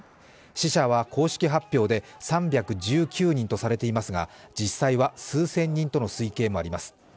死者は公式発表で３１９人とされていますが、実際は数千人との推計もあります。